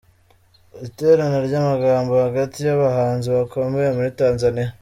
Iterana ry’amagambo hagati y’abahanzi bakomeye muri Tanzania.